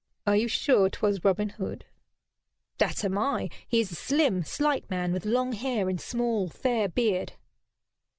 "Are you sure 'twas Robin Hood?" "That am I. He is a slim, slight man with long hair, and small, fair beard."